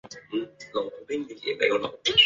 勒蒙塔人口变化图示